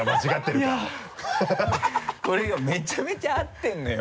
これがめちゃめちゃ合ってるのよ